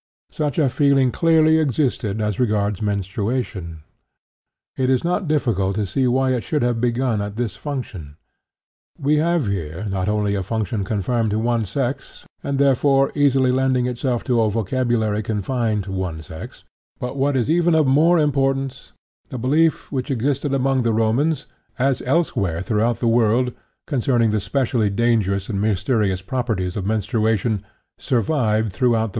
Such a feeling clearly existed as regards menstruation. It is not difficult to see why it should have begun at this function. We have here not only a function confined to one sex and, therefore, easily lending itself to a vocabulary confined to one sex; but, what is even of more importance, the belief which existed among the Romans, as elsewhere throughout the world, concerning the specially dangerous and mysterious properties of menstruation, survived throughout mediæval times.